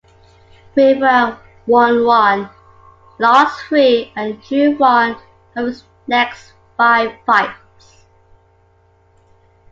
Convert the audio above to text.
Rivera won one, lost three and drew one of his next five fights.